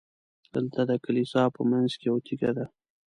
دلته د کلیسا په منځ کې یوه تیږه ده.